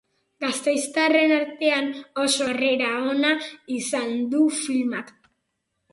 Gasteiztarren artean oso harrera ona izan du filmak.